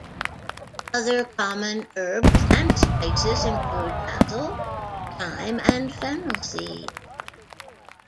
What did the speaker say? Other common herbs and spices include basil, thyme and fennel seed.